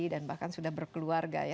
dan bahkan sudah berkeluarga ya